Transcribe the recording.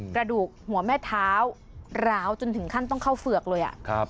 กระดูกหัวแม่เท้าร้าวจนถึงขั้นต้องเข้าเฝือกเลย